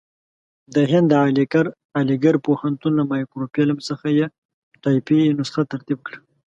د هند د علیګړ پوهنتون له مایکروفیلم څخه یې ټایپي نسخه ترتیب کړه.